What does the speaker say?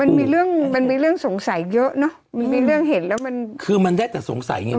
มันมีเรื่องมันมีเรื่องสงสัยเยอะเนอะมันมีเรื่องเห็นแล้วมันคือมันได้แต่สงสัยไง